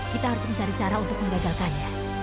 kita harus mencari cara untuk menggagalkannya